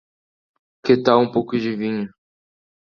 Que tal um pouco de vinho?